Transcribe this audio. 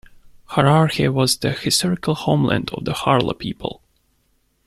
Hararghe was the historical homeland of the Harla people.